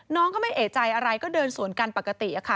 น้องก็ไม่เอกใจอะไรก็เดินสวนกันปกติค่ะ